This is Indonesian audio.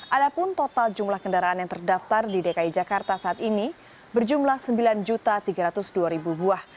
adapun total jumlah kendaraan yang terdaftar di dki jakarta saat ini berjumlah sembilan tiga ratus dua buah